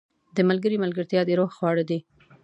• د ملګري ملګرتیا د روح خواړه دي.